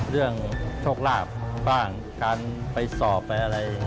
เรื่องโชคลาภการไปสอบอะไร